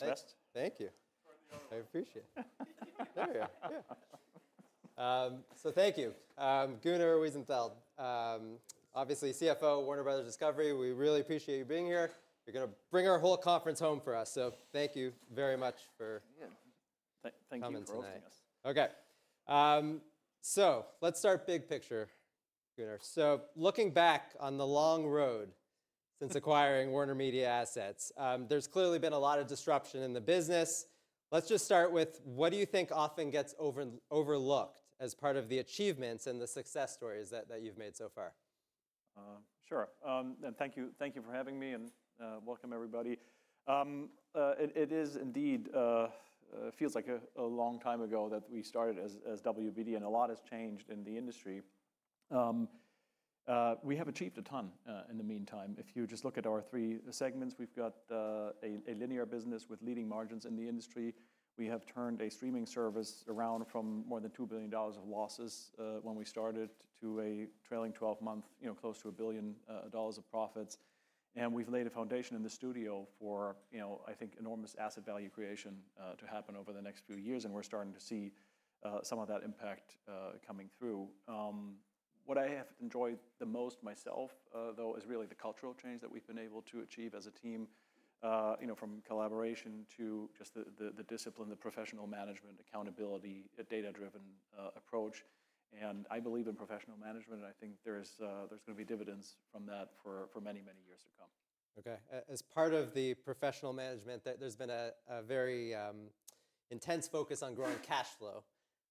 Best. Thank you. I appreciate it. There you go. Yeah. Thank you. Gunnar Wiedenfels, obviously CFO, Warner Bros. Discovery. We really appreciate you being here. You're going to bring our whole conference home for us. Thank you very much for. Thank you for hosting us. OK. Let's start big picture, Gunnar. Looking back on the long road since acquiring WarnerMedia Assets, there's clearly been a lot of disruption in the business. Let's just start with what do you think often gets overlooked as part of the achievements and the success stories that you've made so far? Sure. Thank you for having me and welcome everybody. It indeed feels like a long time ago that we started as Warner Bros. Discovery, and a lot has changed in the industry. We have achieved a ton in the meantime. If you just look at our three segments, we've got a linear business with leading margins in the industry. We have turned a streaming service around from more than $2 billion of losses when we started to a trailing 12-month, close to $1 billion of profits. We have laid a foundation in the studio for, I think, enormous asset value creation to happen over the next few years. We are starting to see some of that impact coming through. What I have enjoyed the most myself, though, is really the cultural change that we've been able to achieve as a team, from collaboration to just the discipline, the professional management, accountability, a data-driven approach. I believe in professional management. I think there's going to be dividends from that for many, many years to come. OK. As part of the professional management, there's been a very intense focus on growing cash flow.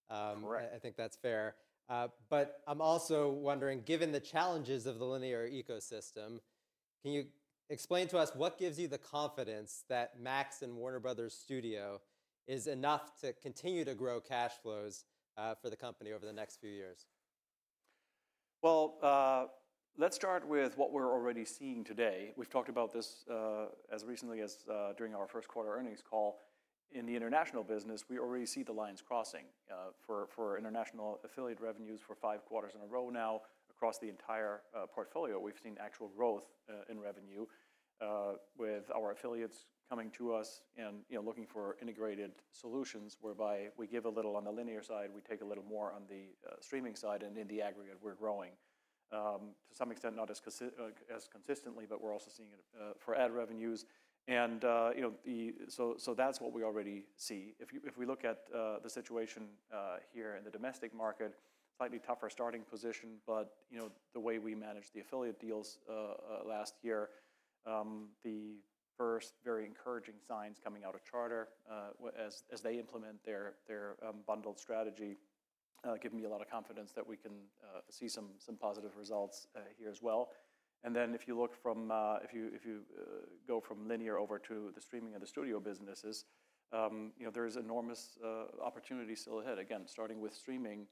Correct. I think that's fair. I am also wondering, given the challenges of the linear ecosystem, can you explain to us what gives you the confidence that Max and Warner Bros. Studio is enough to continue to grow cash flows for the company over the next few years? Let's start with what we're already seeing today. We've talked about this as recently as during our first quarter earnings call. In the international business, we already see the lines crossing for international affiliate revenues for five quarters in a row now across the entire portfolio. We've seen actual growth in revenue with our affiliates coming to us and looking for integrated solutions, whereby we give a little on the linear side, we take a little more on the streaming side. In the aggregate, we're growing to some extent, not as consistently, but we're also seeing it for ad revenues. That's what we already see. If we look at the situation here in the domestic market, slightly tougher starting position. The way we managed the affiliate deals last year, the first very encouraging signs coming out of Charter as they implement their bundled strategy give me a lot of confidence that we can see some positive results here as well. If you look from if you go from linear over to the streaming and the studio businesses, there is enormous opportunity still ahead. Again, starting with streaming,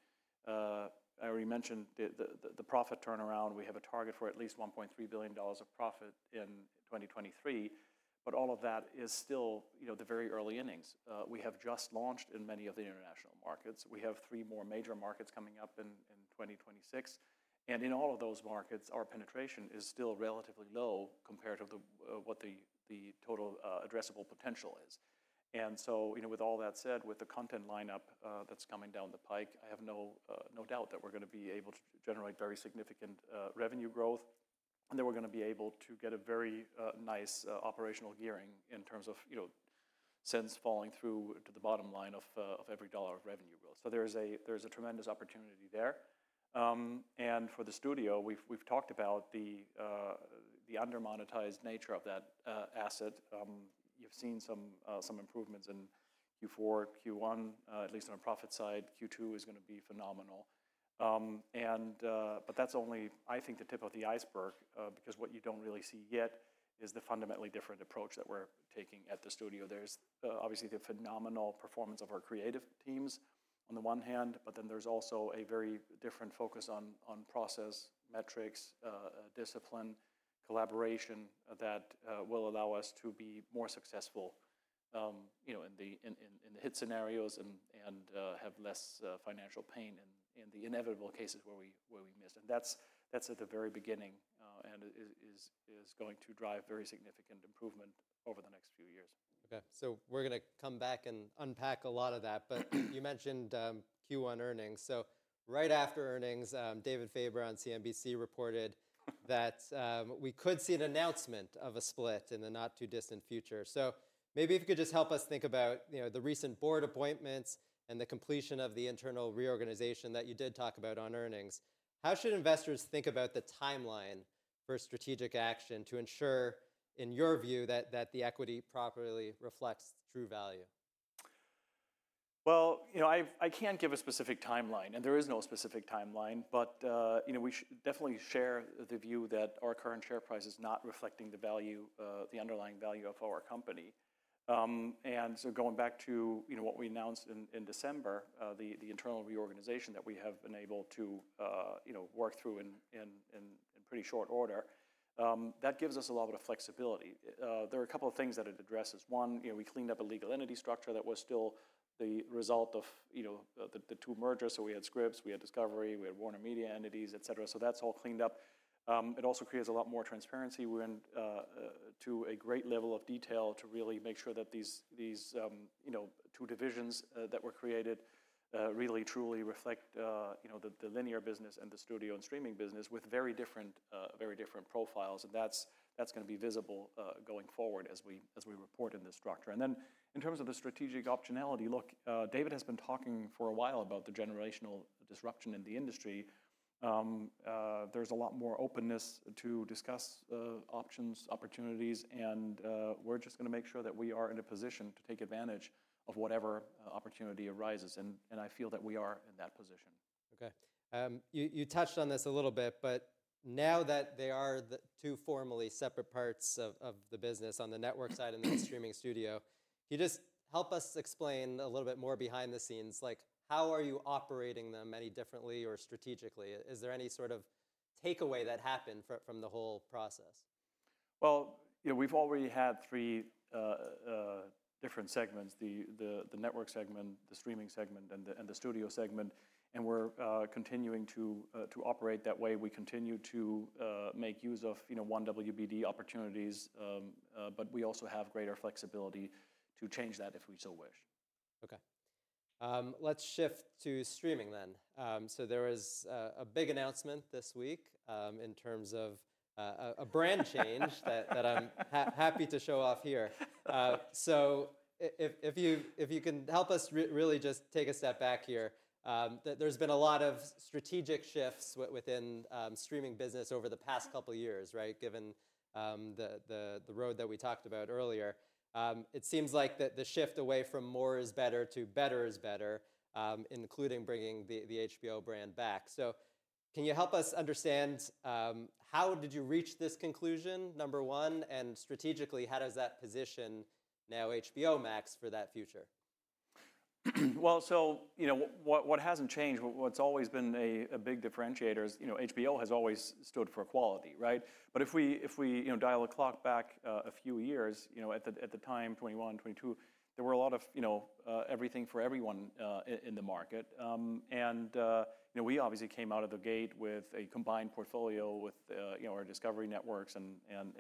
I already mentioned the profit turnaround. We have a target for at least $1.3 billion of profit in 2023. All of that is still the very early innings. We have just launched in many of the international markets. We have three more major markets coming up in 2026. In all of those markets, our penetration is still relatively low compared to what the total addressable potential is. With all that said, with the content lineup that's coming down the pike, I have no doubt that we're going to be able to generate very significant revenue growth. Then we're going to be able to get a very nice operational gearing in terms of cents falling through to the bottom line of every dollar of revenue growth. There is a tremendous opportunity there. For the studio, we've talked about the undermonetized nature of that asset. You've seen some improvements in Q4, Q1, at least on a profit side. Q2 is going to be phenomenal. That's only, I think, the tip of the iceberg, because what you don't really see yet is the fundamentally different approach that we're taking at the studio. There's obviously the phenomenal performance of our creative teams on the one hand. There is also a very different focus on process, metrics, discipline, collaboration that will allow us to be more successful in the hit scenarios and have less financial pain in the inevitable cases where we miss. That is at the very beginning and is going to drive very significant improvement over the next few years. OK. We're going to come back and unpack a lot of that. You mentioned Q1 earnings. Right after earnings, David Faber on CNBC reported that we could see an announcement of a split in the not too distant future. Maybe if you could just help us think about the recent board appointments and the completion of the internal reorganization that you did talk about on earnings. How should investors think about the timeline for strategic action to ensure, in your view, that the equity properly reflects true value? I can't give a specific timeline. There is no specific timeline. We definitely share the view that our current share price is not reflecting the value, the underlying value of our company. Going back to what we announced in December, the internal reorganization that we have been able to work through in pretty short order gives us a lot of flexibility. There are a couple of things that it addresses. One, we cleaned up a legal entity structure that was still the result of the two mergers. We had Scripps, we had Discovery, we had WarnerMedia entities, et cetera. That is all cleaned up. It also creates a lot more transparency. We went to a great level of detail to really make sure that these two divisions that were created really, truly reflect the linear business and the studio and streaming business with very different profiles. That is going to be visible going forward as we report in this structure. In terms of the strategic optionality, look, David has been talking for a while about the generational disruption in the industry. There is a lot more openness to discuss options, opportunities. We are just going to make sure that we are in a position to take advantage of whatever opportunity arises. I feel that we are in that position. OK. You touched on this a little bit. Now that they are the two formally separate parts of the business on the network side and the streaming studio, can you just help us explain a little bit more behind the scenes? How are you operating them any differently or strategically? Is there any sort of takeaway that happened from the whole process? We've already had three different segments: the network segment, the streaming segment, and the studio segment. We are continuing to operate that way. We continue to make use of Warner Bros. Discovery opportunities. We also have greater flexibility to change that if we so wish. OK. Let's shift to streaming then. There is a big announcement this week in terms of a brand change that I'm happy to show off here. If you can help us really just take a step back here, there's been a lot of strategic shifts within streaming business over the past couple of years, given the road that we talked about earlier. It seems like the shift away from more is better to better is better, including bringing the HBO brand back. Can you help us understand how did you reach this conclusion, number one? Strategically, how does that position now HBO Max for that future? What has not changed, what has always been a big differentiator is HBO has always stood for quality. If we dial a clock back a few years, at the time 2021, 2022, there were a lot of everything for everyone in the market. We obviously came out of the gate with a combined portfolio with our Discovery Networks and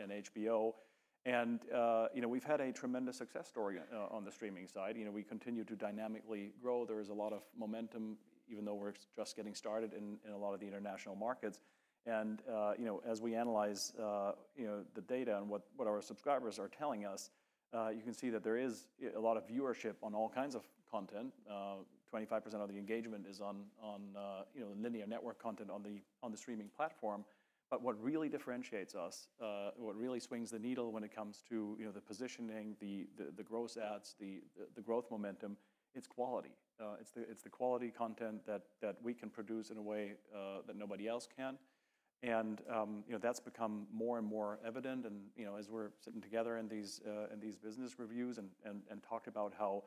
HBO. We have had a tremendous success story on the streaming side. We continue to dynamically grow. There is a lot of momentum, even though we are just getting started in a lot of the international markets. As we analyze the data and what our subscribers are telling us, you can see that there is a lot of viewership on all kinds of content. 25% of the engagement is on linear network content on the streaming platform. What really differentiates us, what really swings the needle when it comes to the positioning, the gross ads, the growth momentum, it's quality. It's the quality content that we can produce in a way that nobody else can. That's become more and more evident. As we're sitting together in these business reviews and talk about how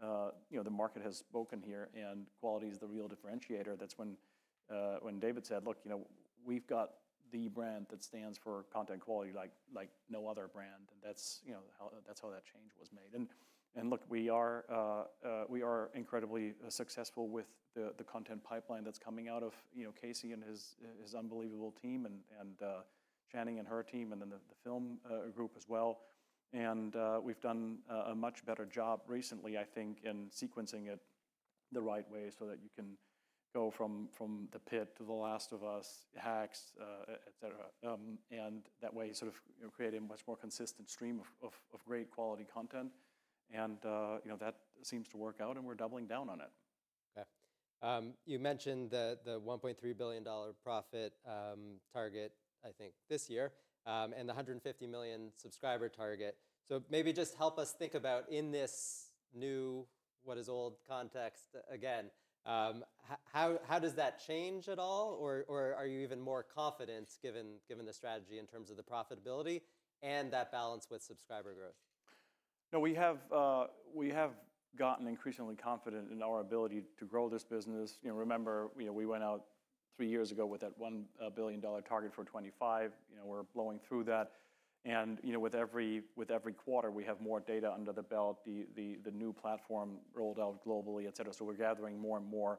the market has spoken here and quality is the real differentiator, that's when David said, look, we've got the brand that stands for content quality like no other brand. That's how that change was made. Look, we are incredibly successful with the content pipeline that's coming out of Casey and his unbelievable team, and Channing and her team, and then the film group as well. We have done a much better job recently, I think, in sequencing it the right way so that you can go from The Pitt to The Last of Us, Hacks, et cetera. That way, you sort of create a much more consistent stream of great quality content. That seems to work out. We are doubling down on it. OK. You mentioned the $1.3 billion profit target, I think, this year and the 150 million subscriber target. Maybe just help us think about in this new what is old context again, how does that change at all? Are you even more confident given the strategy in terms of the profitability and that balance with subscriber growth? No, we have gotten increasingly confident in our ability to grow this business. Remember, we went out three years ago with that $1 billion target for 2025. We're blowing through that. With every quarter, we have more data under the belt, the new platform rolled out globally, et cetera. We are gathering more and more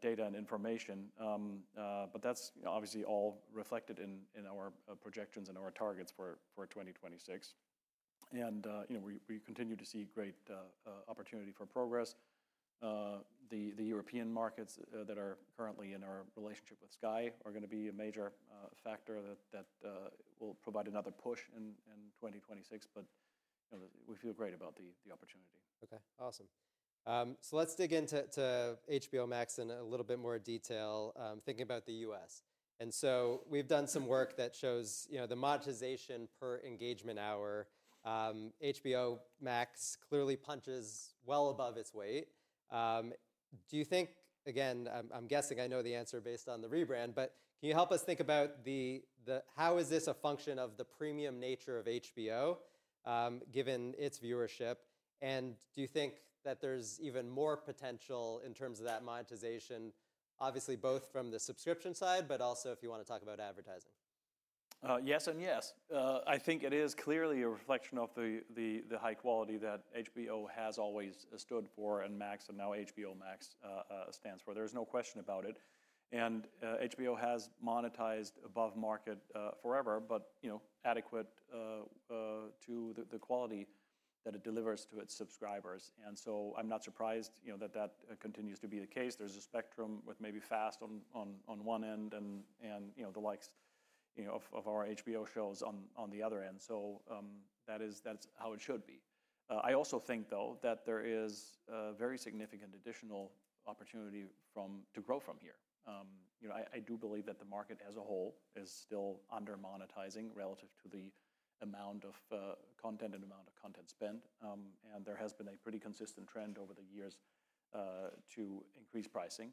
data and information. That is obviously all reflected in our projections and our targets for 2026. We continue to see great opportunity for progress. The European markets that are currently in our relationship with Sky are going to be a major factor that will provide another push in 2026. We feel great about the opportunity. OK. Awesome. Let's dig into HBO Max in a little bit more detail, thinking about the U.S. We have done some work that shows the monetization per engagement hour. HBO Max clearly punches well above its weight. Do you think, again, I'm guessing I know the answer based on the rebrand, but can you help us think about how is this a function of the premium nature of HBO given its viewership? Do you think that there's even more potential in terms of that monetization, obviously both from the subscription side, but also if you want to talk about advertising? Yes and yes. I think it is clearly a reflection of the high quality that HBO has always stood for and Max and now HBO Max stands for. There is no question about it. HBO has monetized above market forever, but adequate to the quality that it delivers to its subscribers. I am not surprised that that continues to be the case. There is a spectrum with maybe fast on one end and the likes of our HBO shows on the other end. That is how it should be. I also think, though, that there is a very significant additional opportunity to grow from here. I do believe that the market as a whole is still under monetizing relative to the amount of content and amount of content spent. There has been a pretty consistent trend over the years to increase pricing.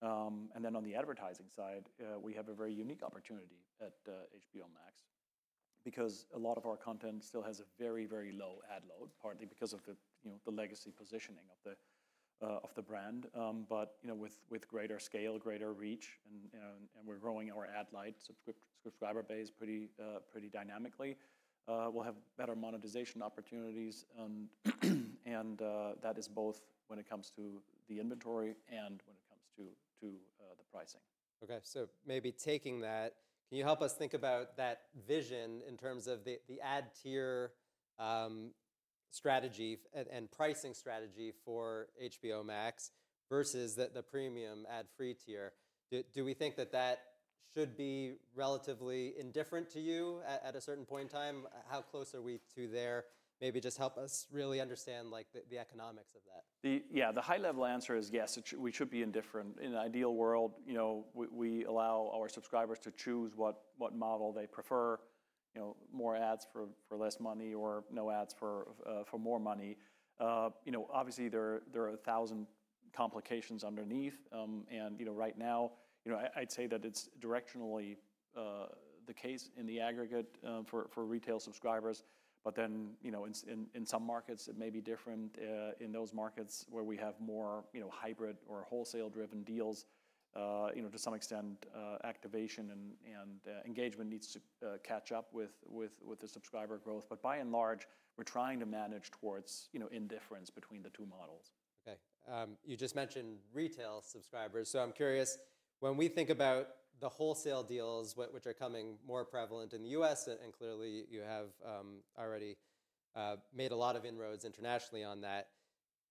On the advertising side, we have a very unique opportunity at HBO Max because a lot of our content still has a very, very low ad load, partly because of the legacy positioning of the brand. With greater scale, greater reach, and we're growing our ad light subscriber base pretty dynamically, we'll have better monetization opportunities. That is both when it comes to the inventory and when it comes to the pricing. OK. Maybe taking that, can you help us think about that vision in terms of the ad tier strategy and pricing strategy for HBO Max versus the premium ad free tier? Do we think that that should be relatively indifferent to you at a certain point in time? How close are we to there? Maybe just help us really understand the economics of that. Yeah, the high level answer is yes, we should be indifferent. In an ideal world, we allow our subscribers to choose what model they prefer, more ads for less money or no ads for more money. Obviously, there are 1,000 complications underneath. Right now, I'd say that it's directionally the case in the aggregate for retail subscribers. In some markets, it may be different. In those markets where we have more hybrid or wholesale driven deals, to some extent, activation and engagement needs to catch up with the subscriber growth. By and large, we're trying to manage towards indifference between the two models. OK. You just mentioned retail subscribers. I'm curious, when we think about the wholesale deals, which are becoming more prevalent in the U.S., and clearly you have already made a lot of inroads internationally on that,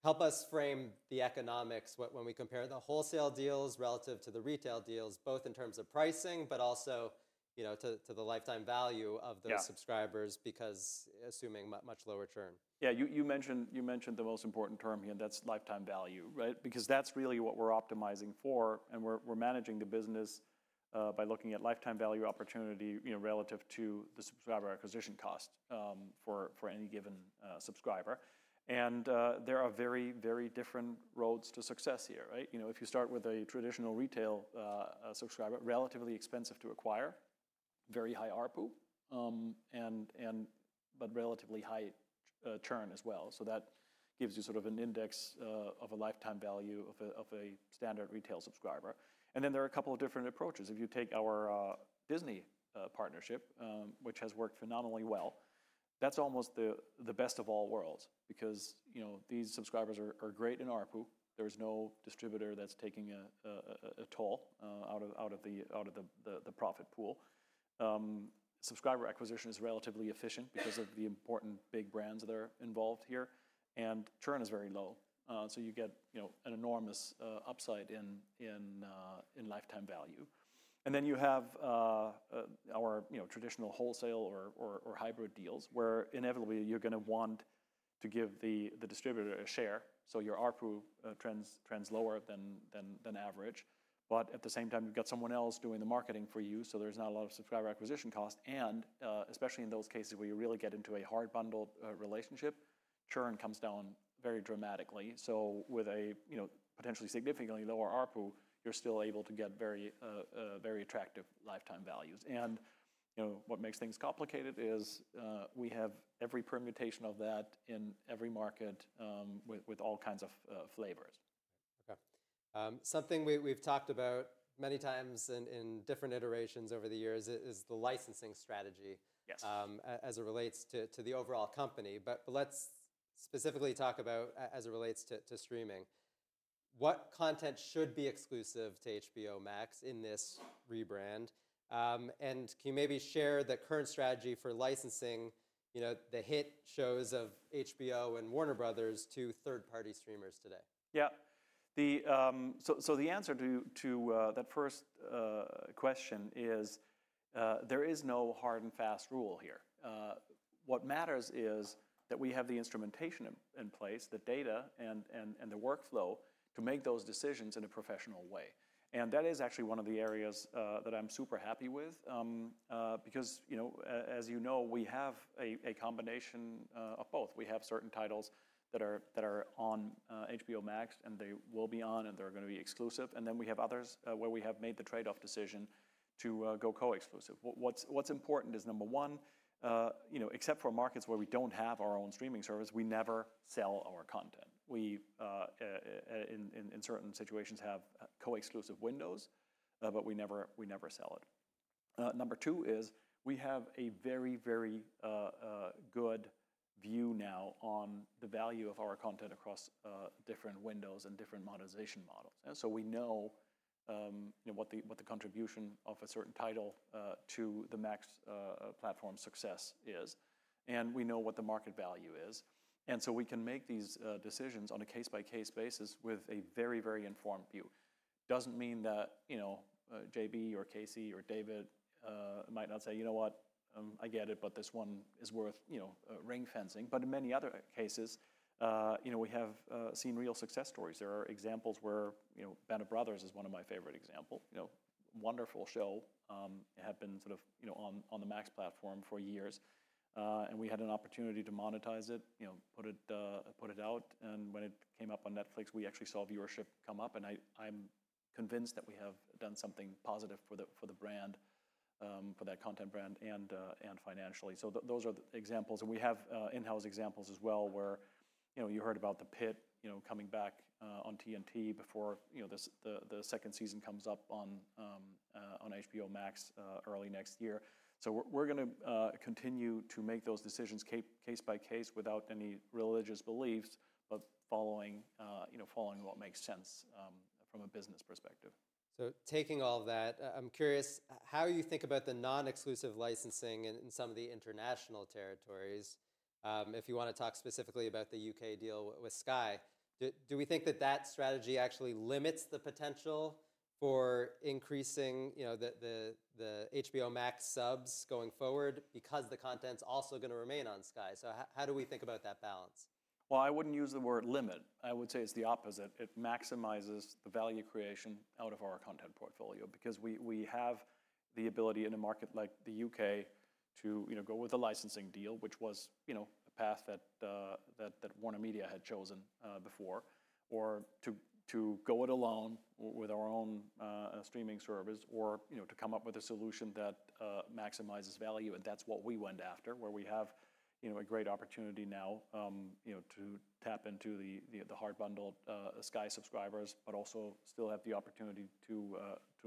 help us frame the economics when we compare the wholesale deals relative to the retail deals, both in terms of pricing, but also to the lifetime value of those subscribers because assuming much lower churn. Yeah, you mentioned the most important term here. That's lifetime value, right? Because that's really what we're optimizing for. We're managing the business by looking at lifetime value opportunity relative to the subscriber acquisition cost for any given subscriber. There are very, very different roads to success here. If you start with a traditional retail subscriber, relatively expensive to acquire, very high ARPU, but relatively high churn as well. That gives you sort of an index of a lifetime value of a standard retail subscriber. There are a couple of different approaches. If you take our Disney partnership, which has worked phenomenally well, that's almost the best of all worlds because these subscribers are great in ARPU. There is no distributor that's taking a toll out of the profit pool. Subscriber acquisition is relatively efficient because of the important big brands that are involved here. Churn is very low. You get an enormous upside in lifetime value. You have our traditional wholesale or hybrid deals where inevitably you're going to want to give the distributor a share. Your ARPU trends lower than average. At the same time, you've got someone else doing the marketing for you. There's not a lot of subscriber acquisition cost. Especially in those cases where you really get into a hard bundle relationship, churn comes down very dramatically. With a potentially significantly lower ARPU, you're still able to get very attractive lifetime values. What makes things complicated is we have every permutation of that in every market with all kinds of flavors. OK. Something we've talked about many times in different iterations over the years is the licensing strategy as it relates to the overall company. Let's specifically talk about as it relates to streaming. What content should be exclusive to HBO Max in this rebrand? Can you maybe share the current strategy for licensing the hit shows of HBO and Warner Bros. to third party streamers today? Yeah. The answer to that first question is there is no hard and fast rule here. What matters is that we have the instrumentation in place, the data, and the workflow to make those decisions in a professional way. That is actually one of the areas that I'm super happy with because, as you know, we have a combination of both. We have certain titles that are on HBO Max, and they will be on, and they're going to be exclusive. We have others where we have made the trade-off decision to go co-exclusive. What's important is, number one, except for markets where we don't have our own streaming service, we never sell our content. We, in certain situations, have co-exclusive windows, but we never sell it. Number two is we have a very, very good view now on the value of our content across different windows and different monetization models. We know what the contribution of a certain title to the Max platform success is. We know what the market value is. We can make these decisions on a case-by-case basis with a very, very informed view. It does not mean that JB or Casey or David might not say, you know what, I get it, but this one is worth ring-fencing. In many other cases, we have seen real success stories. There are examples where Band of Brothers is one of my favorite examples, wonderful show. It had been sort of on the Max platform for years. We had an opportunity to monetize it, put it out. When it came up on Netflix, we actually saw viewership come up. I'm convinced that we have done something positive for the brand, for that content brand, and financially. Those are the examples. We have in-house examples as well where you heard about The Pitt coming back on TNT before the second season comes up on HBO Max early next year. We're going to continue to make those decisions case by case without any religious beliefs, but following what makes sense from a business perspective. Taking all that, I'm curious how you think about the non-exclusive licensing in some of the international territories. If you want to talk specifically about the U.K. deal with Sky, do we think that that strategy actually limits the potential for increasing the HBO Max subs going forward because the content's also going to remain on Sky? How do we think about that balance? I would not use the word limit. I would say it is the opposite. It maximizes the value creation out of our content portfolio because we have the ability in a market like the U.K. to go with a licensing deal, which was a path that WarnerMedia had chosen before, or to go it alone with our own streaming service, or to come up with a solution that maximizes value. That is what we went after, where we have a great opportunity now to tap into the hard bundled Sky subscribers, but also still have the opportunity to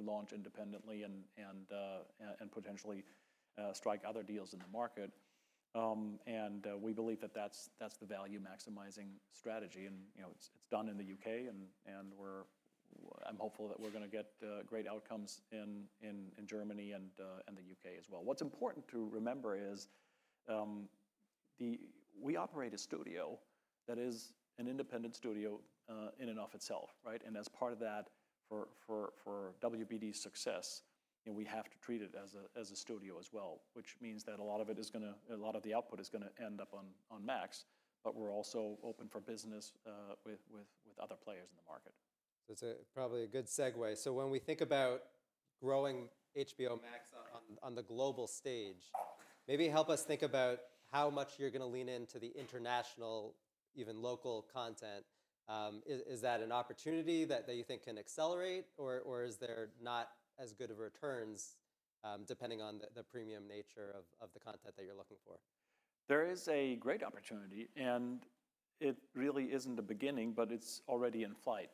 launch independently and potentially strike other deals in the market. We believe that that is the value maximizing strategy. It is done in the U.K. I am hopeful that we are going to get great outcomes in Germany and the U.K. as well. What's important to remember is we operate a studio that is an independent studio in and of itself. As part of that for Warner Bros. Discovery's success, we have to treat it as a studio as well, which means that a lot of it is going to, a lot of the output is going to end up on Max. We're also open for business with other players in the market. That's probably a good segue. When we think about growing HBO Max on the global stage, maybe help us think about how much you're going to lean into the international, even local content. Is that an opportunity that you think can accelerate, or is there not as good of returns depending on the premium nature of the content that you're looking for? There is a great opportunity. It really isn't the beginning, but it's already in flight.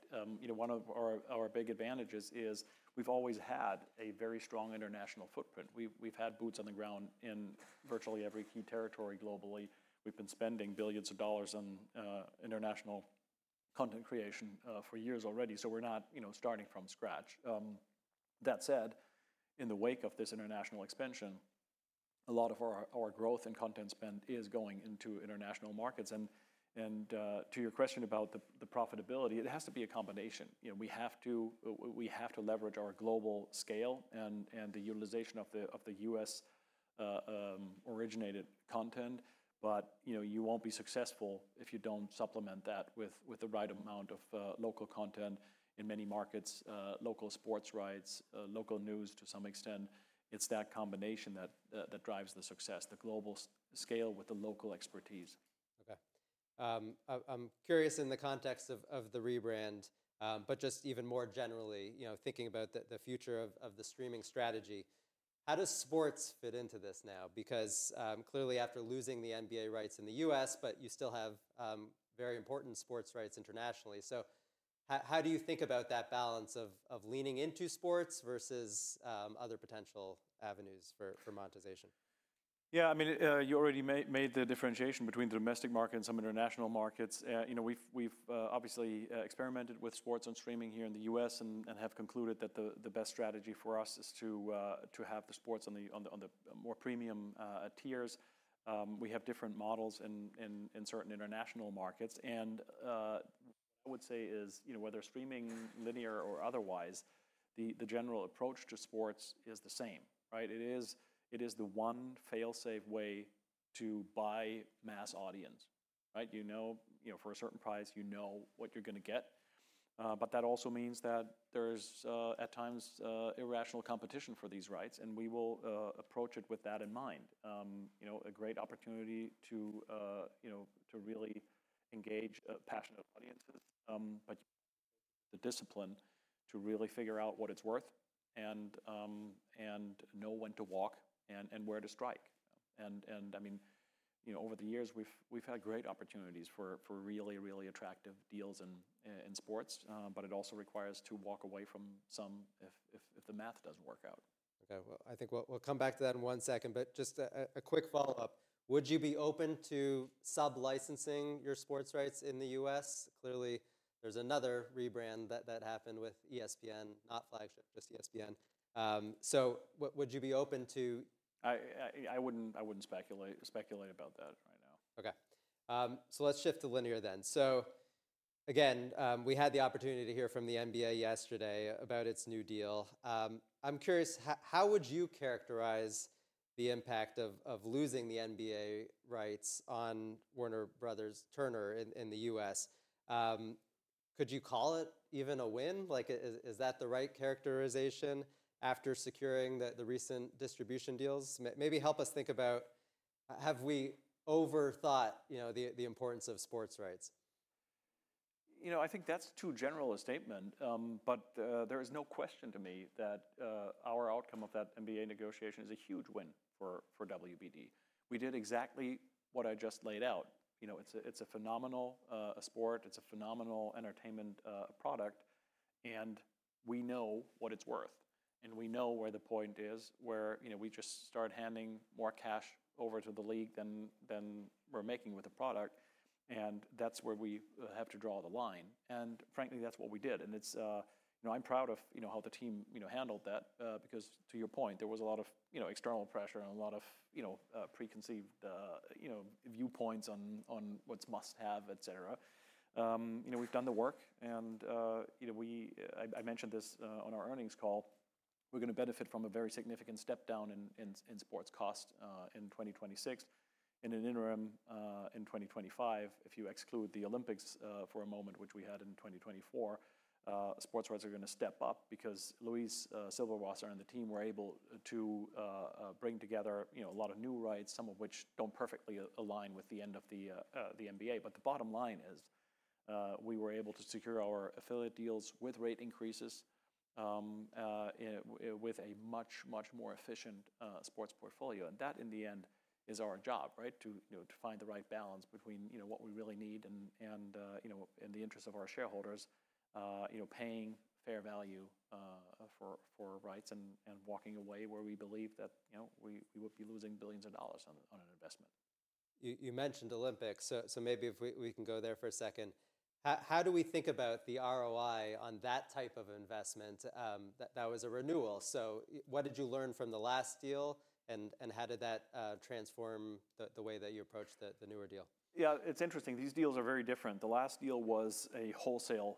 One of our big advantages is we've always had a very strong international footprint. We've had boots on the ground in virtually every key territory globally. We've been spending billions of dollars on international content creation for years already. We are not starting from scratch. That said, in the wake of this international expansion, a lot of our growth and content spend is going into international markets. To your question about the profitability, it has to be a combination. We have to leverage our global scale and the utilization of the U.S. originated content. You won't be successful if you don't supplement that with the right amount of local content in many markets, local sports rights, local news to some extent. It's that combination that drives the success, the global scale with the local expertise. OK. I'm curious in the context of the rebrand, but just even more generally thinking about the future of the streaming strategy. How does sports fit into this now? Because clearly after losing the NBA rights in the U.S., but you still have very important sports rights internationally. How do you think about that balance of leaning into sports versus other potential avenues for monetization? Yeah, I mean, you already made the differentiation between the domestic market and some international markets. We've obviously experimented with sports and streaming here in the U.S. and have concluded that the best strategy for us is to have the sports on the more premium tiers. We have different models in certain international markets. What I would say is whether streaming, linear, or otherwise, the general approach to sports is the same. It is the one fail-safe way to buy mass audience. You know for a certain price, you know what you're going to get. That also means that there is at times irrational competition for these rights. We will approach it with that in mind. A great opportunity to really engage passionate audiences, but the discipline to really figure out what it's worth and know when to walk and where to strike. I mean, over the years, we've had great opportunities for really, really attractive deals in sports. It also requires to walk away from some if the math doesn't work out. OK. I think we'll come back to that in one second. Just a quick follow-up. Would you be open to sublicensing your sports rights in the U.S.? Clearly, there's another rebrand that happened with ESPN, not Flagship, just ESPN. Would you be open to that? I wouldn't speculate about that right now. OK. Let's shift to linear then. Again, we had the opportunity to hear from the NBA yesterday about its new deal. I'm curious, how would you characterize the impact of losing the NBA rights on Warner Bros. Turner in the U.S.? Could you call it even a win? Is that the right characterization after securing the recent distribution deals? Maybe help us think about have we overthought the importance of sports rights? You know, I think that's too general a statement. There is no question to me that our outcome of that NBA negotiation is a huge win for Warner Bros. Discovery. We did exactly what I just laid out. It's a phenomenal sport. It's a phenomenal entertainment product. We know what it's worth. We know where the point is where we just start handing more cash over to the league than we're making with the product. That's where we have to draw the line. Frankly, that's what we did. I'm proud of how the team handled that because to your point, there was a lot of external pressure and a lot of preconceived viewpoints on what's must-have, et cetera. We've done the work. I mentioned this on our earnings call. We're going to benefit from a very significant step down in sports cost in 2026. In an interim in 2025, if you exclude the Olympics for a moment, which we had in 2024, sports rights are going to step up because Luis Silberwasser and the team were able to bring together a lot of new rights, some of which do not perfectly align with the end of the NBA. The bottom line is we were able to secure our affiliate deals with rate increases with a much, much more efficient sports portfolio. That in the end is our job, to find the right balance between what we really need and in the interest of our shareholders, paying fair value for rights and walking away where we believe that we would be losing billions of dollars on an investment. You mentioned Olympics. Maybe if we can go there for a second. How do we think about the ROI on that type of investment that was a renewal? What did you learn from the last deal? How did that transform the way that you approached the newer deal? Yeah, it's interesting. These deals are very different. The last deal was a wholesale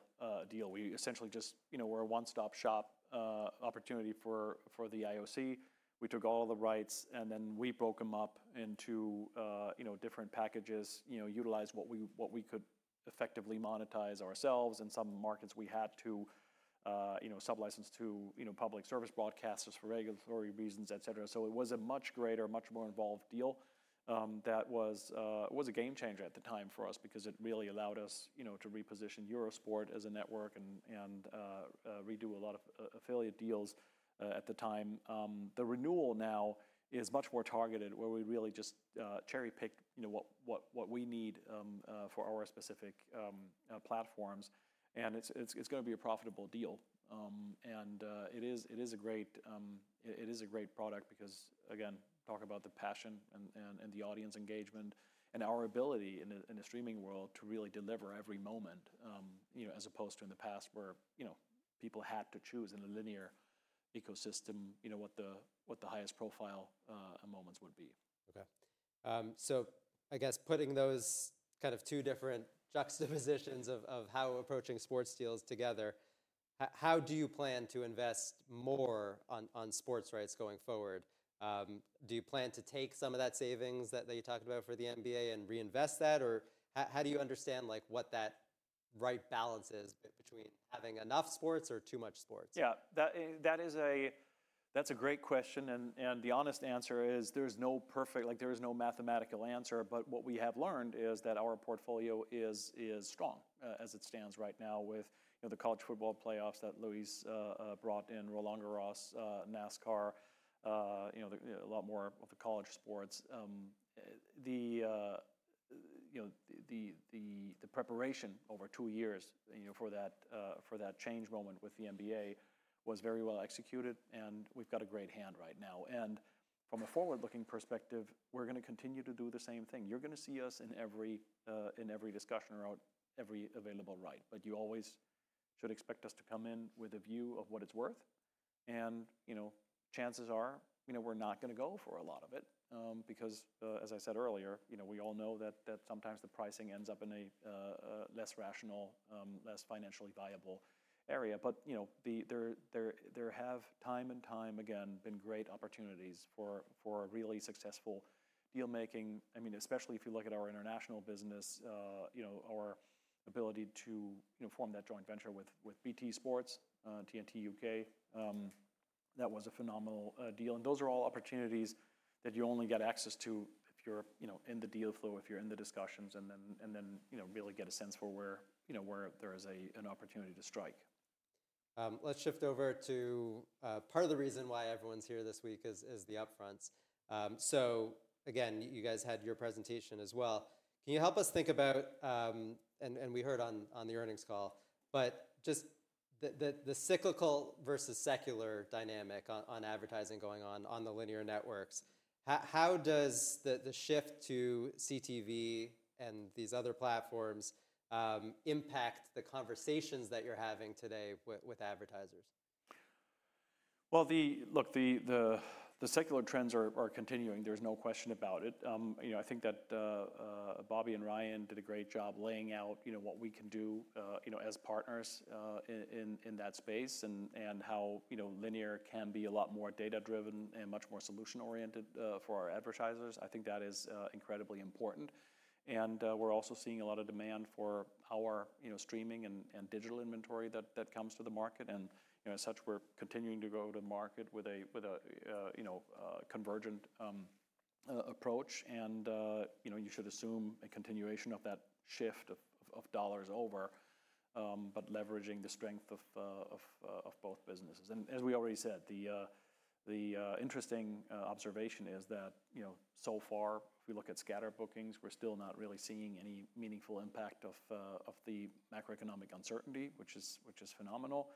deal. We essentially just were a one-stop shop opportunity for the IOC. We took all the rights, and then we broke them up into different packages, utilized what we could effectively monetize ourselves. In some markets, we had to sublicense to public service broadcasters for regulatory reasons, et cetera. It was a much greater, much more involved deal. That was a game changer at the time for us because it really allowed us to reposition Eurosport as a network and redo a lot of affiliate deals at the time. The renewal now is much more targeted, where we really just cherry-pick what we need for our specific platforms. It's going to be a profitable deal. It is a great product because, again, talk about the passion and the audience engagement and our ability in the streaming world to really deliver every moment as opposed to in the past where people had to choose in a linear ecosystem what the highest profile moments would be. OK. I guess putting those kind of two different juxtapositions of how approaching sports deals together, how do you plan to invest more on sports rights going forward? Do you plan to take some of that savings that you talked about for the NBA and reinvest that? How do you understand what that right balance is between having enough sports or too much sports? Yeah, that's a great question. The honest answer is there's no perfect, there is no mathematical answer. What we have learned is that our portfolio is strong as it stands right now with the college football playoffs that Luis brought in, Rolando Ross, NASCAR, a lot more of the college sports. The preparation over two years for that change moment with the NBA was very well executed. We have got a great hand right now. From a forward-looking perspective, we are going to continue to do the same thing. You are going to see us in every discussion around every available right. You always should expect us to come in with a view of what it is worth. Chances are we're not going to go for a lot of it because, as I said earlier, we all know that sometimes the pricing ends up in a less rational, less financially viable area. There have, time and time again, been great opportunities for really successful deal-making. I mean, especially if you look at our international business, our ability to form that joint venture with BT Sport, TNT U.K., that was a phenomenal deal. Those are all opportunities that you only get access to if you're in the deal flow, if you're in the discussions, and then really get a sense for where there is an opportunity to strike. Let's shift over to part of the reason why everyone's here this week is the upfronts. You guys had your presentation as well. Can you help us think about, and we heard on the earnings call, just the cyclical versus secular dynamic on advertising going on on the linear networks. How does the shift to CTV and these other platforms impact the conversations that you're having today with advertisers? Look, the secular trends are continuing. There is no question about it. I think that Bobby and Ryan did a great job laying out what we can do as partners in that space and how linear can be a lot more data-driven and much more solution-oriented for our advertisers. I think that is incredibly important. We are also seeing a lot of demand for our streaming and digital inventory that comes to the market. As such, we are continuing to go to the market with a convergent approach. You should assume a continuation of that shift of dollars over, but leveraging the strength of both businesses. As we already said, the interesting observation is that so far, if we look at scatter bookings, we are still not really seeing any meaningful impact of the macroeconomic uncertainty, which is phenomenal.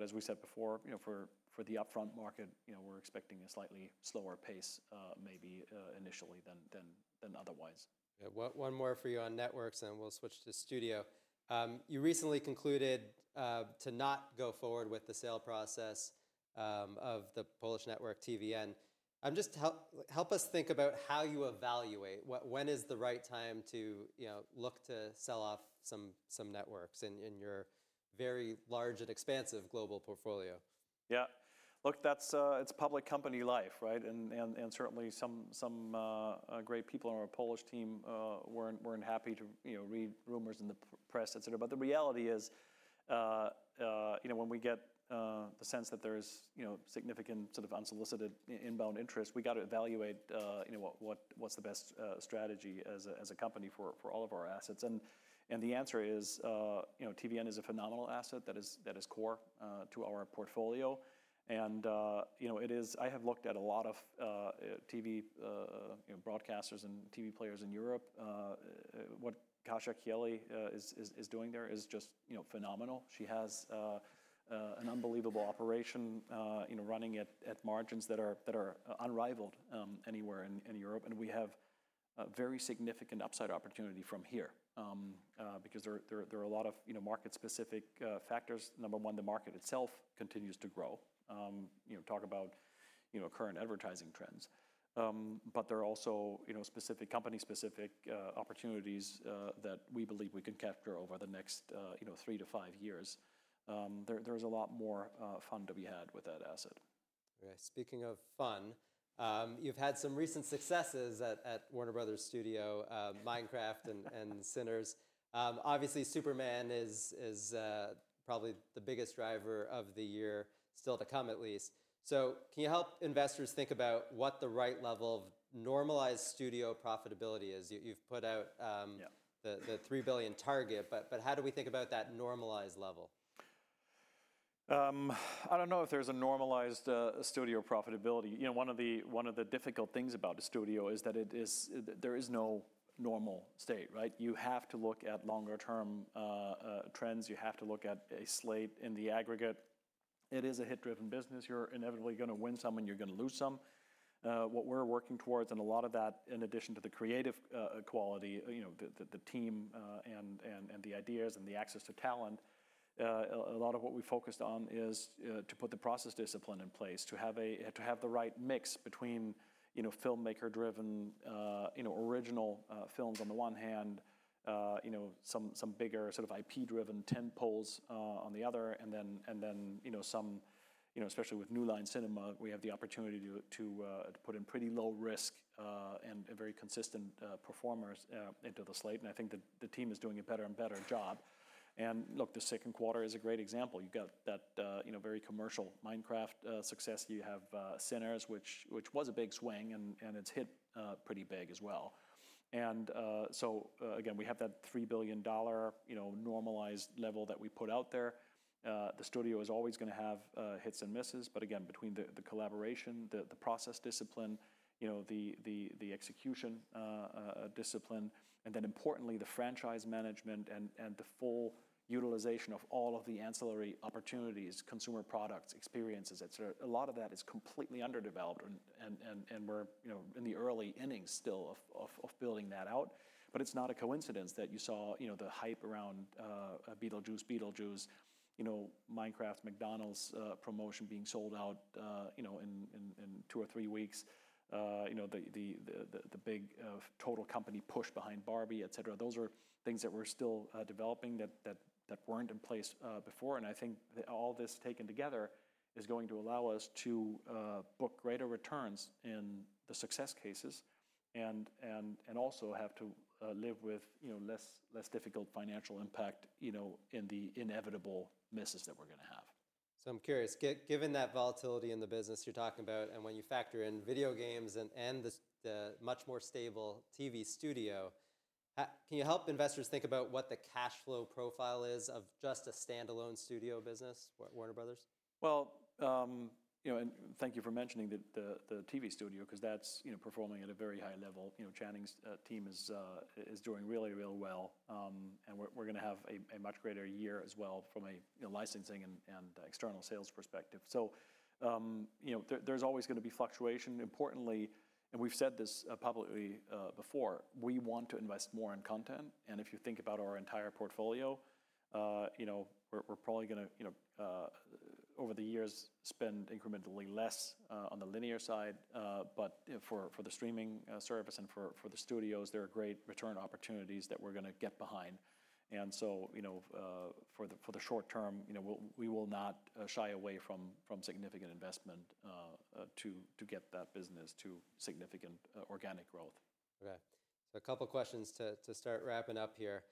As we said before, for the upfront market, we're expecting a slightly slower pace maybe initially than otherwise. One more for you on networks, and then we'll switch to studio. You recently concluded to not go forward with the sale process of the Polish network TVN. Just help us think about how you evaluate. When is the right time to look to sell off some networks in your very large and expansive global portfolio? Yeah. Look, it's public company life. Certainly, some great people on our Polish team were not happy to read rumors in the press, et cetera. The reality is when we get the sense that there is significant sort of unsolicited inbound interest, we have to evaluate what is the best strategy as a company for all of our assets. The answer is TVN is a phenomenal asset that is core to our portfolio. I have looked at a lot of TV broadcasters and TV players in Europe. What Kasia Kieli is doing there is just phenomenal. She has an unbelievable operation running at margins that are unrivaled anywhere in Europe. We have a very significant upside opportunity from here because there are a lot of market-specific factors. Number one, the market itself continues to grow. Talk about current advertising trends. There are also specific company-specific opportunities that we believe we can capture over the next three to five years. There is a lot more fun to be had with that asset. Speaking of fun, you've had some recent successes at Warner Bros. Studio, Minecraft, and Sinners. Obviously, Superman is probably the biggest driver of the year still to come, at least. Can you help investors think about what the right level of normalized studio profitability is? You've put out the $3 billion target. How do we think about that normalized level? I don't know if there's a normalized studio profitability. One of the difficult things about a studio is that there is no normal state. You have to look at longer-term trends. You have to look at a slate in the aggregate. It is a hit-driven business. You're inevitably going to win some, and you're going to lose some. What we're working towards, and a lot of that in addition to the creative quality, the team and the ideas and the access to talent, a lot of what we focused on is to put the process discipline in place, to have the right mix between filmmaker-driven original films on the one hand, some bigger sort of IP-driven tentpoles on the other. Then some, especially with New Line Cinema, we have the opportunity to put in pretty low risk and very consistent performers into the slate. I think that the team is doing a better and better job. Look, the second quarter is a great example. You have that very commercial Minecraft success. You have Sinners, which was a big swing, and it has hit pretty big as well. Again, we have that $3 billion normalized level that we put out there. The studio is always going to have hits and misses. Again, between the collaboration, the process discipline, the execution discipline, and then importantly, the franchise management and the full utilization of all of the ancillary opportunities, consumer products, experiences, et cetera, a lot of that is completely underdeveloped. We are in the early innings still of building that out. It is not a coincidence that you saw the hype around Beetlejuice Beetlejuice, Minecraft, McDonald's promotion being sold out in two or three weeks, the big total company push behind Barbie, et cetera. Those are things that we are still developing that were not in place before. I think all this taken together is going to allow us to book greater returns in the success cases and also have to live with less difficult financial impact in the inevitable misses that we are going to have. I'm curious, given that volatility in the business you're talking about and when you factor in video games and the much more stable TV studio, can you help investors think about what the cash flow profile is of just a standalone studio business, Warner Bros.? Thank you for mentioning the TV studio because that's performing at a very high level. Channing's team is doing really, really well. We are going to have a much greater year as well from a licensing and external sales perspective. There is always going to be fluctuation. Importantly, and we have said this publicly before, we want to invest more in content. If you think about our entire portfolio, we are probably going to, over the years, spend incrementally less on the linear side. For the streaming service and for the studios, there are great return opportunities that we are going to get behind. For the short term, we will not shy away from significant investment to get that business to significant organic growth. OK. A couple of questions to start wrapping up here.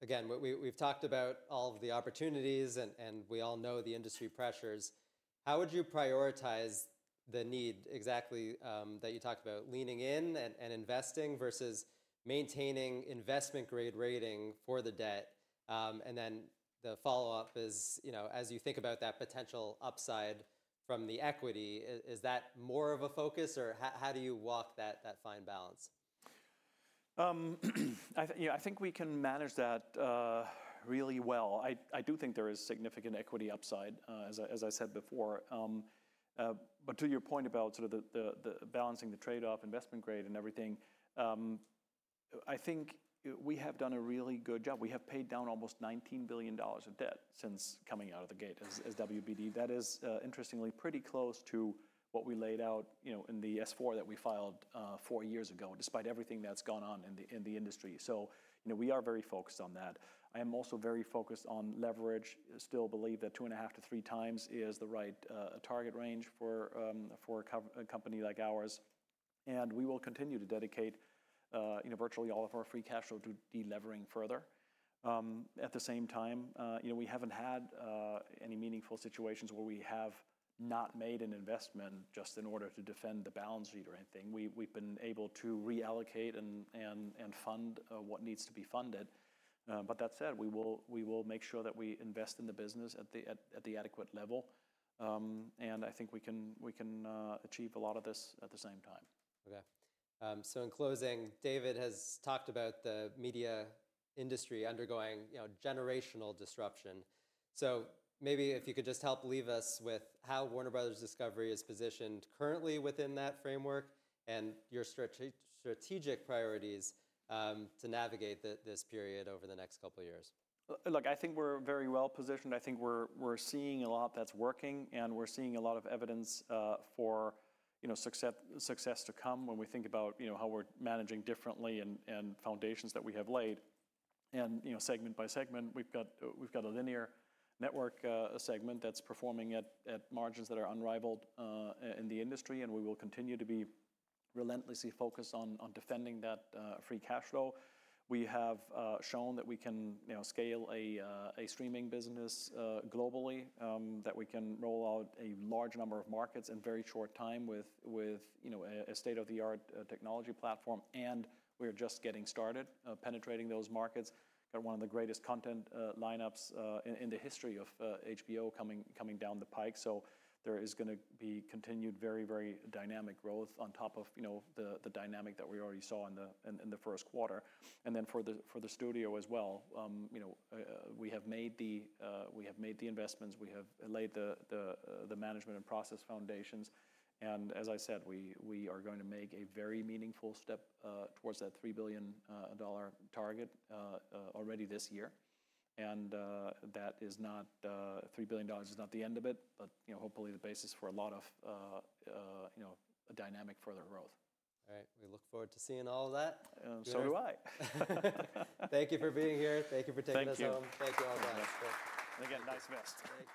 Again, we've talked about all of the opportunities, and we all know the industry pressures. How would you prioritize the need exactly that you talked about, leaning in and investing versus maintaining investment grade rating for the debt? The follow-up is, as you think about that potential upside from the equity, is that more of a focus? How do you walk that fine balance? I think we can manage that really well. I do think there is significant equity upside, as I said before. To your point about sort of balancing the trade-off, investment grade, and everything, I think we have done a really good job. We have paid down almost $19 billion of debt since coming out of the gate as Warner Bros. Discovery. That is, interestingly, pretty close to what we laid out in the S4 that we filed four years ago, despite everything that's gone on in the industry. We are very focused on that. I am also very focused on leverage. I still believe that 2.5-3x is the right target range for a company like ours. We will continue to dedicate virtually all of our free cash flow to delevering further. At the same time, we haven't had any meaningful situations where we have not made an investment just in order to defend the balance sheet or anything. We've been able to reallocate and fund what needs to be funded. That said, we will make sure that we invest in the business at the adequate level. I think we can achieve a lot of this at the same time. OK. In closing, David has talked about the media industry undergoing generational disruption. Maybe if you could just help leave us with how Warner Bros. Discovery is positioned currently within that framework and your strategic priorities to navigate this period over the next couple of years. Look, I think we're very well positioned. I think we're seeing a lot that's working. We're seeing a lot of evidence for success to come when we think about how we're managing differently and foundations that we have laid. Segment by segment, we've got a linear network segment that's performing at margins that are unrivaled in the industry. We will continue to be relentlessly focused on defending that free cash flow. We have shown that we can scale a streaming business globally, that we can roll out a large number of markets in very short time with a state-of-the-art technology platform. We are just getting started penetrating those markets. We've got one of the greatest content lineups in the history of HBO coming down the pike. There is going to be continued very, very dynamic growth on top of the dynamic that we already saw in the first quarter. For the studio as well, we have made the investments. We have laid the management and process foundations. As I said, we are going to make a very meaningful step towards that $3 billion target already this year. That $3 billion is not the end of it, but hopefully the basis for a lot of dynamic further growth. All right. We look forward to seeing all of that. I do. Thank you for being here. Thank you for taking us home. Thank you. Thank you all very much. Again, nice visit.